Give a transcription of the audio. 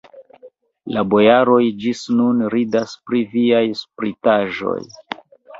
La bojaroj ĝis nun ridas pri viaj spritaĵoj.